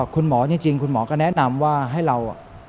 คุณหมอจริงก็แนะนำว่าให้เรา